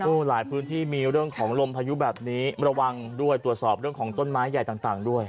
หลายพื้นที่มีเรื่องของลมพายุแบบนี้ระวังด้วยตรวจสอบเรื่องของต้นไม้ใหญ่ต่างด้วย